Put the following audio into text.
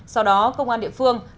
sau đó công an địa phương sẽ chuyển